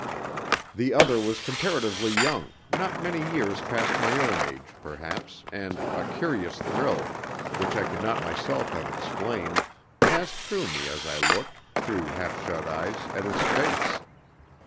The other was comparatively young, not many years past my own age, perhaps, and a curious thrill, which I could not myself have explained, passed through me as I looked, through half shut eyes, at his face.